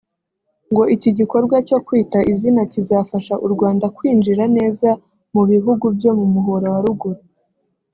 ngo iki gikorwa cyo Kwita Izina kizafasha u Rwanda kwinjira neza mu bihugu byo mu Muhora wa Ruguru